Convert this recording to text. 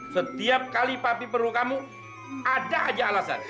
setiap kali papi perlu kamu ada aja alasan